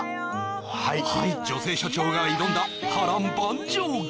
はい女性社長が挑んだ波乱万丈劇